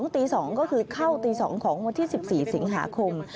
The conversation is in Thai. ตี๒ก็คือเข้าตี๒ของวันที่๑๔สิงหาคม